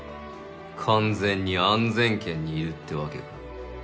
完全に安全圏にいるってわけか。